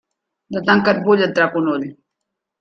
De tant que et vull, et trac un ull.